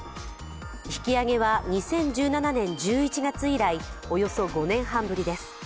引き上げは２０１７年１１月以来およそ５年半ぶりです。